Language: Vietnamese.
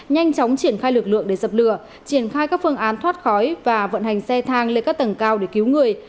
nhanh chóng triển khai lực lượng để dập lửa triển khai các phương án thoát khói và vận hành xe thang lên các tầng cao để cứu người